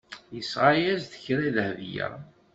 Yesɣa-as-d kra i Dahbiya.